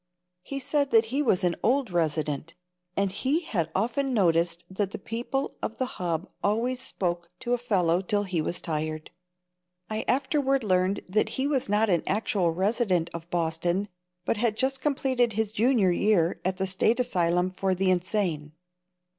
He said that he was an old resident, and he had often noticed that the people of the Hub always Spoke to a Felloe till he was tired. I afterward learned that he was not an actual resident of Boston, but had just completed his junior year at the State asylum for the insane.